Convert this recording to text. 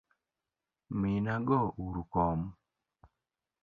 Minago uru kom.